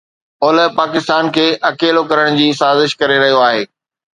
اولهه پاڪستان کي اڪيلو ڪرڻ جي سازش ڪري رهيو آهي